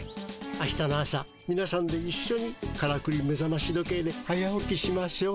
あしたの朝みなさんでいっしょにからくりめざまし時計で早起きしましょう。